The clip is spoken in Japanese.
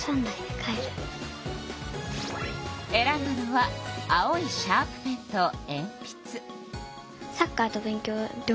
選んだのは青いシャープペンとえんぴつ。